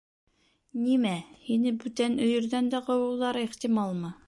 — Нимә, һине бүтән өйөрҙән дә ҡыуыуҙары ихтималмы?